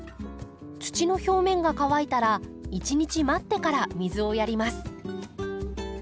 土の表面が乾いたら１日待ってから水をやります。